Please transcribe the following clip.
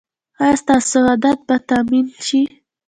ایا ستاسو عدالت به تامین شي؟